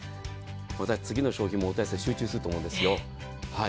私、次の商品も集中すると思うんです。